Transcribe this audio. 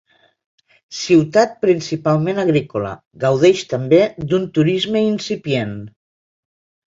Ciutat principalment agrícola, gaudeix també d'un turisme incipient.